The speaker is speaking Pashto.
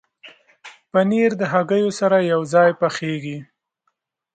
پنېر د هګیو سره یوځای پخېږي.